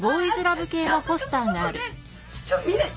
ちょ見ない。